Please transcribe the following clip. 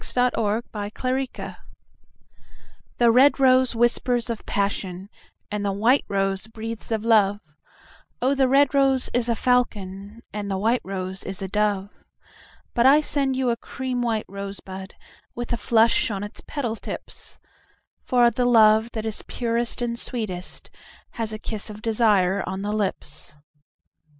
A White Rose THE red rose whispers of passion, And the white rose breathes of love; O the red rose is a falcon, And the white rose is a dove. But I send you a cream white rosebud 5 With a flush on its petal tips; For the love that is purest and sweetest Has a kiss of desire on the lips.